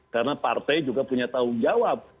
karena partai juga punya tahun jawab